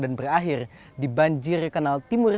dan berakhir di banjir kanal timur